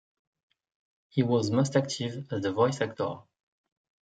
He was most active as a voice actor.